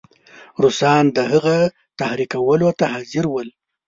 روسان د هغه تحریکولو ته حاضر ول.